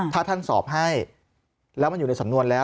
ถ้าท่านสอบให้แล้วมันอยู่ในสำนวนแล้ว